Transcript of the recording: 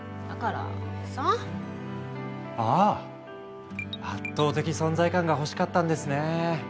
ああ圧倒的存在感が欲しかったんですねえ。